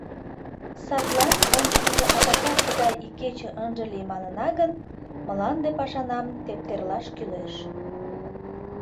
Садлан ончыкыжо адакат тыгай игече ынже лий манына гын, мланде пашанам тептерлаш кӱлеш.